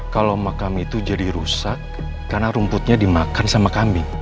kalau makam itu jadi rusak karena rumputnya dimakan sama kambing